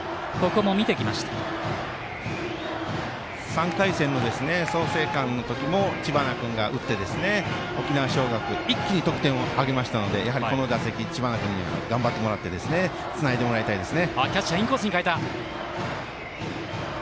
３回戦の創成館のときも知花君が打って沖縄尚学一気に得点を挙げましたのでこの打席、知花君に頑張ってつないでもらいたいです。